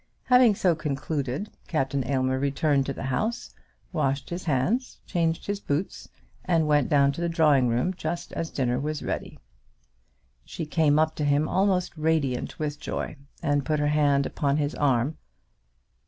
Having so concluded, Captain Aylmer returned to the house, washed his hands, changed his boots, and went down to the drawing room just as dinner was ready. She came up to him almost radiant with joy, and put her hand upon his arm.